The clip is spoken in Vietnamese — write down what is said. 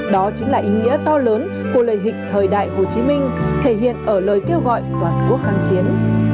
đó chính là ý nghĩa to lớn của lời hình thời đại hồ chí minh thể hiện ở lời kêu gọi toàn quốc kháng chiến